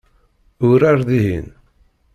Urar dihin.